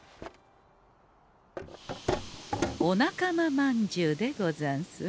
お仲間まんじゅうでござんす。